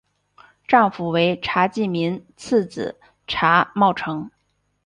丈夫为查济民次子查懋成。